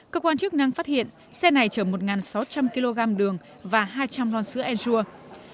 cơ quan chức năng phát hiện xe này chở một sáu trăm linh kg đường và hai trăm linh lon sữa ensua